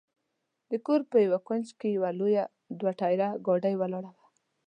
د کور په یوه کونج کې یوه لویه دوه ټایره ګاډۍ ولاړه وه.